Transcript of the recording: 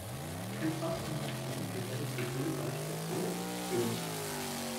"Eu faço a minha vida prevendo o futuro para as pessoas?" ele disse.